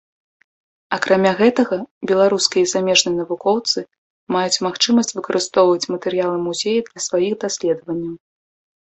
Акрамя гэтага, беларускія і замежныя навукоўцы маюць магчымасць выкарыстоўваць матэрыялы музея для сваіх даследаванняў.